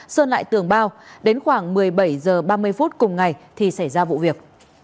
sơn lại tường bao đến khoảng một mươi bảy h ba mươi phút cùng ngày thì xảy ra vụ việc